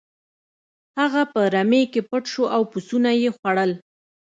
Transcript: هغه په رمې کې پټ شو او پسونه یې خوړل.